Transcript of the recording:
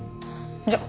じゃあ。